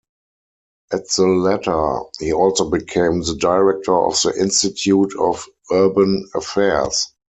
At the latter, he also became the director of the Institute of Urban Affairs.